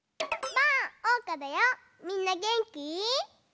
みんなげんき？